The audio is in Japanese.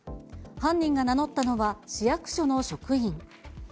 犯人が名乗ったのは、市役所の職員。